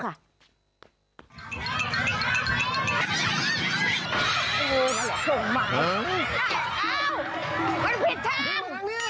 ก้านเอามันผิดทาง